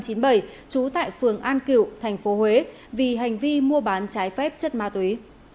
trú tại phường an cựu tp huế vì hành vi mua bán trái phép chất ma túy